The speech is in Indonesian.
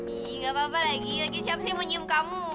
ih gak apa apa lagi lagi siapa sih yang mau nyium kamu